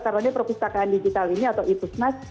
karena ini perpustakaan digital ini atau itusna